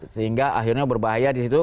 sehingga akhirnya berbahaya disitu